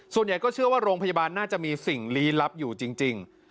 ส่วนใหญ่ก็เชื่อว่าโรงพยาบาลน่าจะมีสิ่งลี้ลับอยู่จริง